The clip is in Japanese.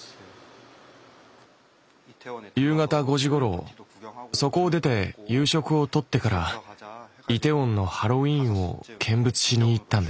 夕方５時ごろそこを出て夕食をとってからイテウォンのハロウィーンを見物しに行ったんです。